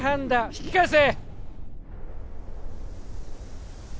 引き返せ